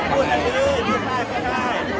สวัสดีครับ